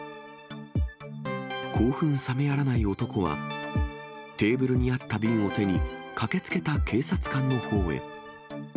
興奮冷めやらない男はテーブルにあった瓶を手に、駆けつけた警察官のほうへ。